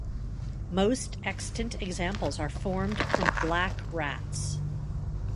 Most extant examples are formed from black rats.